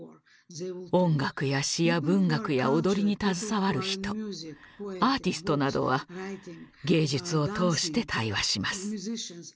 音楽や詩や文学や踊りに携わる人アーティストなどは芸術を通して対話します。